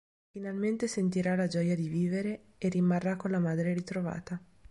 Finalmente sentirà la gioia di vivere e rimarrà con la madre ritrovata.